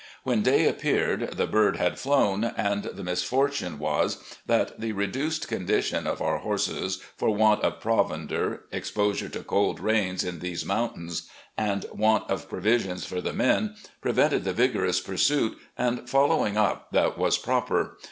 When day appeared, the bird had flown, and the misfortune was that the reduced condition of our horses for want of provender, exposure to cold rains in these mountains, and want of provisions for the men prevented the vigorous pursuit and following up that was proper.